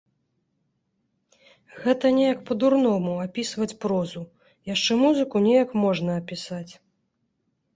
Гэта неяк па-дурному, апісваць прозу, яшчэ музыку неяк можна апісаць.